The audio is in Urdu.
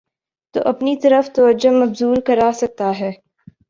تواپنی طرف توجہ مبذول کراسکتاہے۔